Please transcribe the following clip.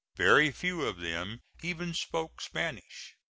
Very few of them even spoke Spanish.